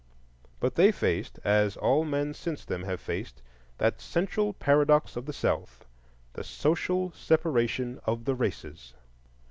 But they faced, as all men since them have faced, that central paradox of the South,—the social separation of the races.